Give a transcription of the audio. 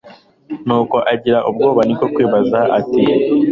nuko agira ubwoba.niko kwibaza ati